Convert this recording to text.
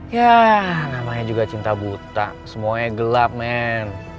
ya namanya juga cinta buta semuanya gelap men